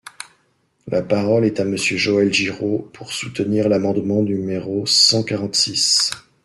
La parole est à Monsieur Joël Giraud, pour soutenir l’amendement numéro cent quarante-six.